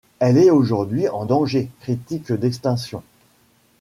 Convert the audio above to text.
Elle est aujourd'hui en danger critique d'extinction.